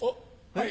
はい。